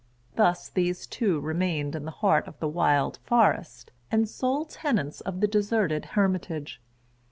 Thus these[Pg 19] two remained in the heart of the wild forest, and sole tenants of the deserted hermitage.